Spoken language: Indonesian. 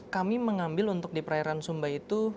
kami mengambil untuk di perairan sumba itu